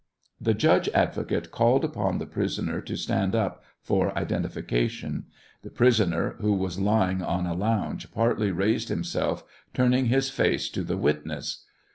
The judge advocate called upon the prisoner to stand up for identification. The prisoner, who was lying on a lounge, partly raised himself, turning his face to the witness.